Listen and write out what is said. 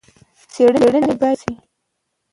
څېړنې باید وشي.